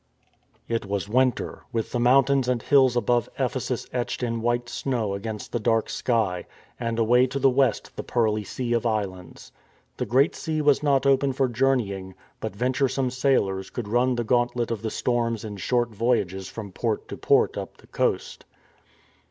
It was "winter,^ with the mountains and hills above Ephesus etched in white snow against the dark sky, and away to the west the pearly sea of islands. The Great Sea was not open for journeying; but venture some sailors could run the gauntlet of the storms in short voyages from port to port up the coast.